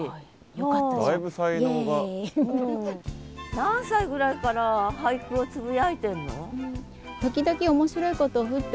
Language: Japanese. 何歳ぐらいから俳句はつぶやいてんの？